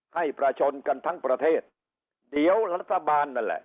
ให้ประชนกันทั้งประเทศเดี๋ยวรัฐบาลนั่นแหละ